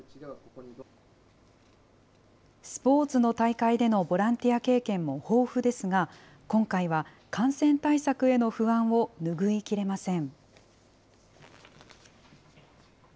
スポーツの大会でのボランティア経験も豊富ですが、今回は感染対策への不安を拭いきれません。